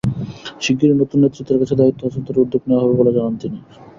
শিগগিরই নতুন নেতৃত্বের কাছে দায়িত্ব হস্তান্তরের উদ্যোগ নেওয়া হবে বলে জানান তিনি।